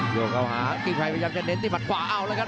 ยกเข้าหากิ้งไพรพยายามจะเน้นที่หัดขวาเอาแล้วครับ